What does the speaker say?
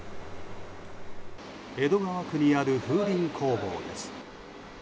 江戸川区にある風鈴工房です。